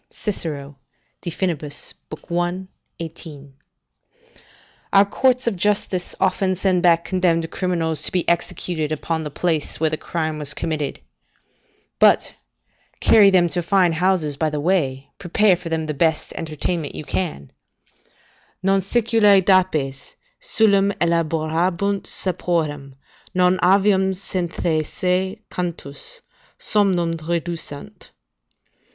Cicero, De Finib., i. 18.] Our courts of justice often send back condemned criminals to be executed upon the place where the crime was committed; but, carry them to fine houses by the way, prepare for them the best entertainment you can "Non Siculae dapes Dulcem elaborabunt saporem: Non avium cyatheaceae cantus Somnum reducent."